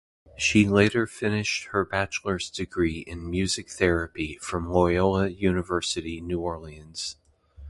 She later finished her bachelor's degree in Music Therapy from Loyola University New Orleans.